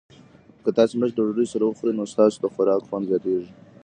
که تاسي مرچ له ډوډۍ سره وخورئ نو ستاسو د خوراک خوند زیاتیږي.